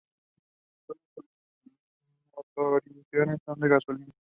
Todas sus motorizaciones son de gasolina.